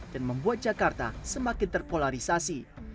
dan membuat jakarta semakin terpolarisasi